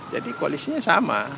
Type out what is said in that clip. jadi koalisinya sama